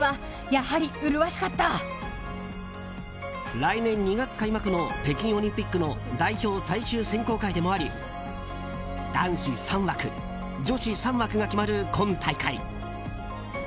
来年２月開幕の北京オリンピックの代表最終選考会でもあり男子３枠、女子３枠が決まる今大会。